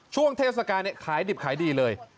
ช่วงเทศกาลขายดิบขายดีเลย